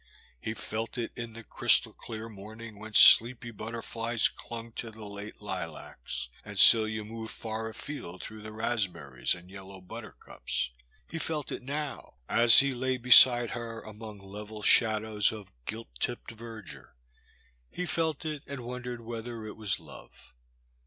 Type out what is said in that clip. He felt it in the crystal clear morn ings when sleepy butterflies clung to the late lilacs, and Celia moved far afield through raspber ries and yellow buttercups. He felt it now, as he lay beside her among level shadows and gilt tipped The Boys Sister. 245 verdure — ^he felt it and wondered whether it was love.